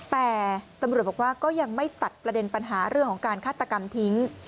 แต่ตำรวจบอกว่าก็ยังไม่ตัดประเด็นปัญหาเรื่องของการฆาตกรรมทิ้ง